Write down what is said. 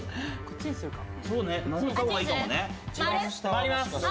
回ります！